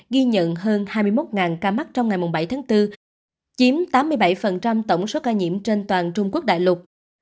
ghi nhận hơn hai mươi một ca mắc trong ngày bảy tháng bốn chiếm tám mươi bảy tổng số ca nhiễm trên toàn trung quốc đại lục